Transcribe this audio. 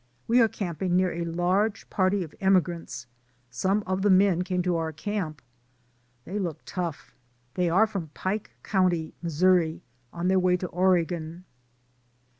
We are camping near a large party of emigrants, some of the men came to our camp. They look tough; they are from Pike County, Missouri, on their way to Oregon.